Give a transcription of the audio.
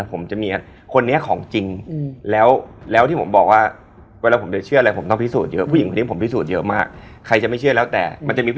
เป็นฉากพ้นตกเสร็จประมาณตี๓